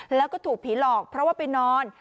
แล้วก็ถูกผีหลอกเพราะว่าไปนอน